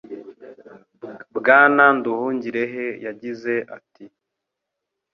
Bwana Nduhungirehe yagize ati